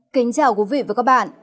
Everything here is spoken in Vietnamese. kính chào quý vị và các bạn